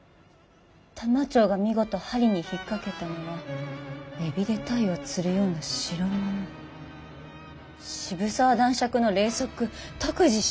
「玉蝶が見事針に引っかけたのは海老で鯛を釣るような代物渋沢男爵の令息篤二氏」。